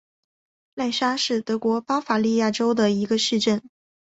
赖沙是德国巴伐利亚州的一个市镇。